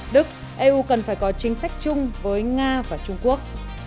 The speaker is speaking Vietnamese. đức eu cần phải có chính sách chung với nga và trung quốc